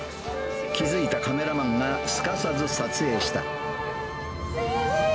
気付いたカメラマンがすかさず撮影した。